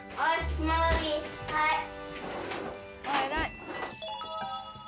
おっ偉い！